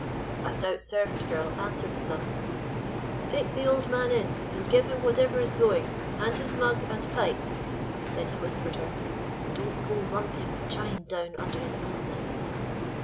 A stout servant girl answered the summons. "Take the old man in, and give him whatever is going, and his mug and pipe," then he whispered her, "and don't go lumping the chine down under his nose now."